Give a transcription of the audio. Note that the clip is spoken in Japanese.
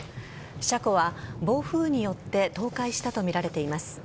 車庫は暴風によって倒壊したとみられています。